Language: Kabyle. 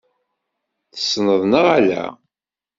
Tesneḍ neɣ ala?